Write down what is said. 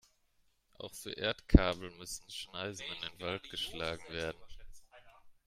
Auch für Erdkabel müssen Schneisen in den Wald geschlagen werden.